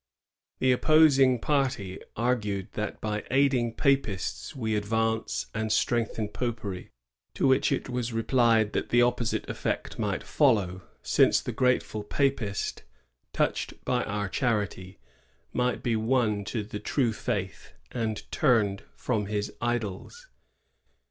The opposing party argued that *^by aiding papists we advance and strengthen popery;" to which it was replied that the opposite effect might follow, since the grateful papist, touched by our charity, might be won to the true faith and turned from his idols.